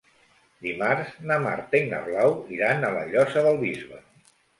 Dimarts na Marta i na Blau iran a la Llosa del Bisbe.